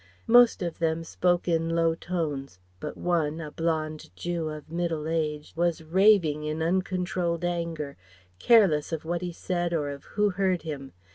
Most of them spoke in low tones; but one a blond Jew of middle age was raving in uncontrolled anger, careless of what he said or of who heard him.